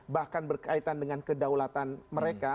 bahkan berkaitan dengan kedaulatan mereka